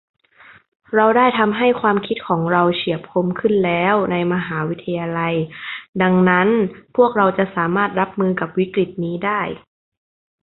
เราได้ทำให้ความคิดของเราเฉียบคมขึ้นแล้วในมหาวิทยาลัยดังนั้นพวกเราจะสามารถรับมือกับวิกฤตินี้ได้